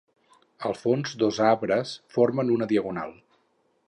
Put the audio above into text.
Al fons, dos arbres formen una diagonal.